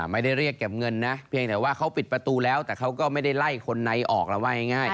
ไม่ได้เรียกเก็บเงินนะเพียงแต่ว่าเขาปิดประตูแล้วแต่เขาก็ไม่ได้ไล่คนในออกแล้วว่าง่าย